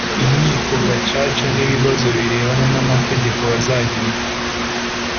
Inkiko gacaca n’ibibazo birebana n’ amategeko bazagenderaho